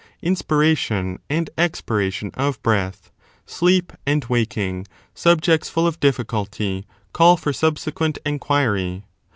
Inspiration and expiration of breath, sleep and waking, subjects full of difficulty, call for subsequent enquiry.